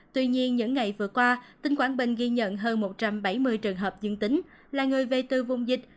tuy nhiên những ngày vừa qua tỉnh quảng bình ghi nhận hơn một trăm bảy mươi trường hợp dương tính là người về từ vùng dịch